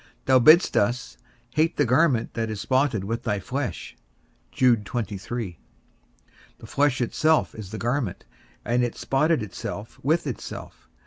Thou bidst us hate the garment that is spotted with the flesh. The flesh itself is the garment, and it spotteth itself with itself.